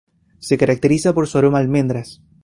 Se caracteriza por su aroma a almendras.